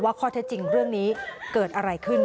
ว่าข้อทัศน์จริงเรื่องนี้เกิดอะไรขึ้นค่ะ